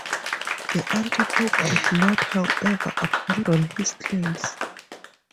The antipope did not, however, abandon his claims.